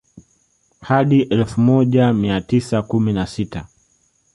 Hadi elfu moja mia tisa kumi na sita